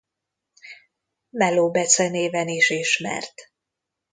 Melo becenéven is ismert.